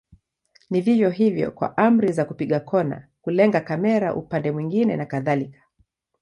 Ni vivyo hivyo kwa amri za kupiga kona, kulenga kamera upande mwingine na kadhalika.